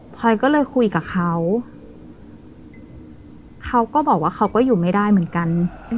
พอยก็เลยคุยกับเขาเขาก็บอกว่าเขาก็อยู่ไม่ได้เหมือนกัน